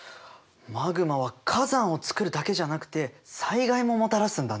マグマは火山をつくるだけじゃなくて災害ももたらすんだね。